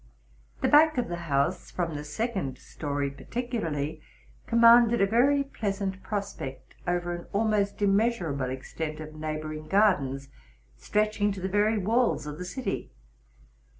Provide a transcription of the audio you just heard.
The back of the house, from the second story particularly, commanded a very pleasant prospect over an almost immeas urable extent of neighboring gardens, stretching to the very walls of the city.